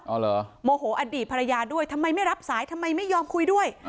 เหรอโมโหอดีตภรรยาด้วยทำไมไม่รับสายทำไมไม่ยอมคุยด้วย